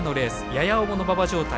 やや重の馬場状態。